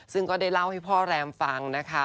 ซึ่งก็ได้เล่าให้พ่อแรมฟังนะคะ